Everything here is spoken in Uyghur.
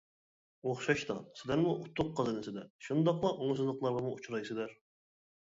ئوخشاشلا، سىلەرمۇ ئۇتۇق قازىنىسىلەر، شۇنداقلا ئوڭۇشسىزلىقلارغىمۇ ئۇچرايسىلەر.